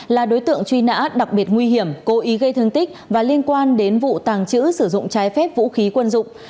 là đối tượng truy nã đặc biệt nguy hiểm cố ý gây thương tích và liên quan đến vụ tàng trữ sử dụng trái phép vũ khí quân dụng